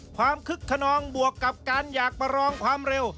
คึกขนองบวกกับการอยากประลองความเร็ว